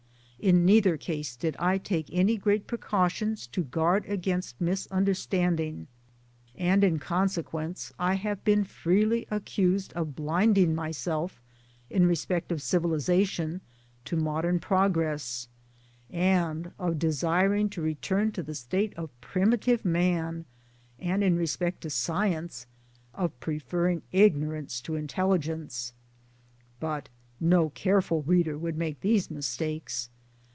In neither case did I take any great precautions to guard against mis understanding, and in consequence I have been freely accused of blinding myself in respect of Civiliza tion to modern progress, and of desiring to return to the state of primitive man ; and in respect to Science of preferring ignorance to intelligence. But no careful reader would make these mistakes.